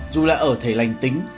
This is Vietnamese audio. dù là ở thể lành tính